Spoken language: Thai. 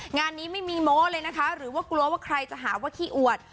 งานนี้ไม่มีโม้เลยนะคะหรือว่ากลัวว่าใครจะหาว่าขี้อวด